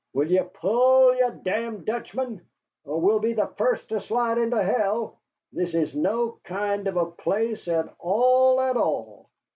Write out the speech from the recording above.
"Will ye pull, ye damned Dutchman? Or we'll be the first to slide into hell. This is no kind of a place at all at all."